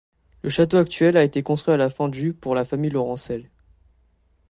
Le château actuel a été construit à la fin du pour la famille Laurencel.